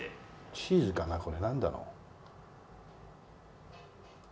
チーズかなこれなんだろう。